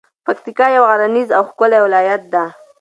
پکتیکا یو غرنیز او ښکلی ولایت ده.